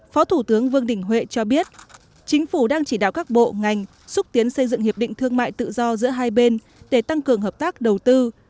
phó thủ tướng vương đình huệ cho biết chính phủ đang chỉ đạo các bộ ngành xúc tiến xây dựng hiệp định thương mại tự do giữa hai bên để tăng cường hợp tác đầu tư